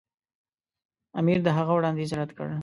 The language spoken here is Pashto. امیر د هغه وړاندیز رد کړ.